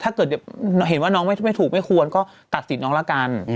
ถ้าเกิดว่าเห็นว่าน้องไม่ถูกไม่ควรก็ตัดสินน้องละกัน